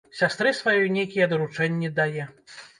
Сястры сваёй нейкія даручэнні дае.